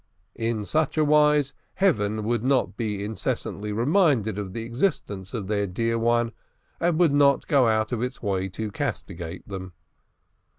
In such wise, Heaven would not be incessantly reminded of the existence of their dear one, and would not go out of its way to castigate them.